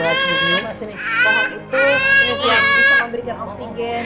kalau itu bisa memberikan oksigen